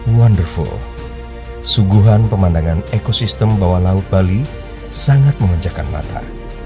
wonderful suguhan pemandangan ekosistem bawah laut bali sangat memenjakan mata